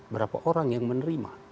berapa orang yang menerima